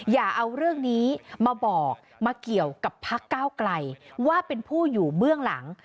อย่าเอาเรื่องนี้มาบอกมาเกี่ยวกับพักก้าวไกลว่าเป็นผู้อยู่เบื้องหลัง